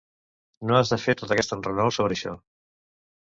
No has de fer tot aquest enrenou sobre això.